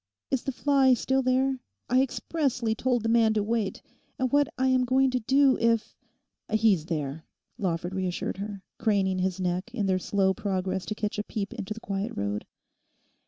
Is the fly still there? I expressly told the man to wait, and what I am going to do if—!' 'He's there,' Lawford reassured her, craning his neck in their slow progress to catch a peep into the quiet road.